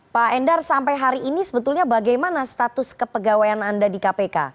pak endar sampai hari ini sebetulnya bagaimana status kepegawaian anda di kpk